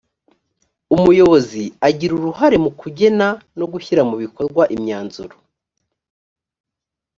umuyobozi agira uruhare mu kugena no gushyira mu bikorwa imyanzuro